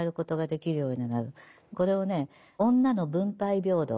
これをね女の分配平等。